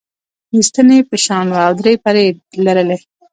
د ستنې په شان وه او درې پرې یي لرلې.